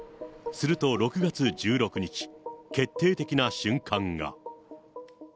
すると６月１６日、決定的な瞬間が。